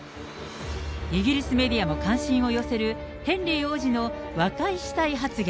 イギリスメディアも関心を寄せる、ヘンリー王子の和解したい発言。